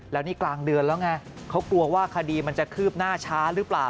แล้วนี่กลางเดือนแล้วไงเขากลัวว่าคดีมันจะคืบหน้าช้าหรือเปล่า